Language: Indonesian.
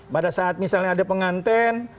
pada saat misalnya ada penganten